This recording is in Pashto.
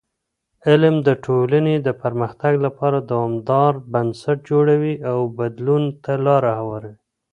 علم د ټولنې د پرمختګ لپاره دوامدار بنسټ جوړوي او بدلون ته لاره هواروي.